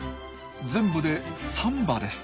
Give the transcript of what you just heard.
全部で３羽です。